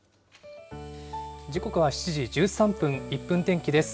時刻は７時１３分、１分天気です。